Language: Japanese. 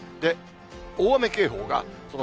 大雨警報が、その